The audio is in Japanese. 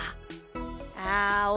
あお